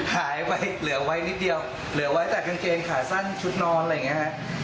หายไปเหลือไว้นิดเดียวเหลือไว้แต่กางเกงขาสั้นชุดนอนอะไรอย่างนี้ฮะ